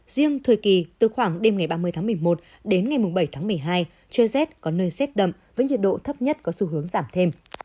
riêng thời kỳ từ khoảng đêm ngày ba mươi tháng một mươi một đến ngày bảy tháng một mươi hai trời rét có nơi rét đậm với nhiệt độ thấp nhất có xu hướng giảm thêm